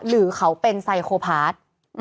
หรือเขาเป็นไซโคพาร์ท